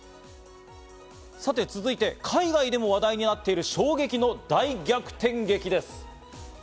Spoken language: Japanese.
さて続いて、海外でも話題になっている衝撃の大逆転劇です。